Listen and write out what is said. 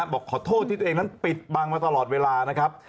บอกขอโทษที่ตัวเองนั้นปิดบังมาตลอดเวลานะครับ